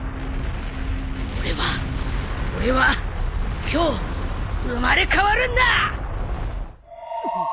俺は俺は今日生まれ変わるんだ！